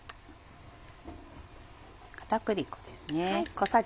片栗粉ですね。